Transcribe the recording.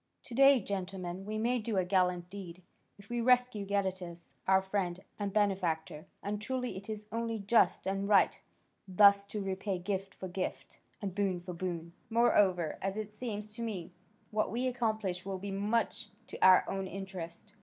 To day, gentlemen, we may do a gallant deed, if we rescue Gadatas, our friend and benefactor; and truly it is only just and right thus to repay gift for gift, and boon for boon. Moreover, as it seems to me, what we accomplish will be much to our own interest.